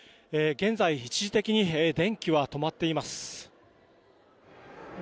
現在、一時的に電気は止まっています。